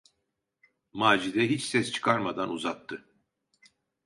Macide hiç ses çıkarmadan uzattı.